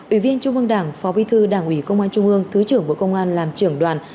ủy viên trung ương đảng phó bí thư đảng ủy công an trung ương thứ trưởng bộ công an làm trưởng đoàn